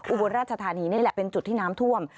อุบลราชธานีนี่แหละเป็นจุดที่น้ำท่วม